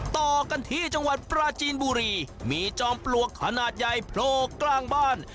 ต่อกันที่จังหวัดปราจีนบุรีมีจอมปลวกขนาดใหญ่โผล่กลางบ้าน